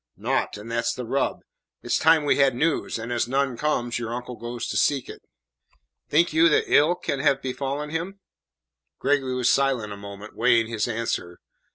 "Naught, and that's the rub. It is time we had news, and as none comes, your uncle goes to seek it." "Think you that ill can have befallen him?" Gregory was silent a moment, weighing his answer.